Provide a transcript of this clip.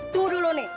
tuh dulu nih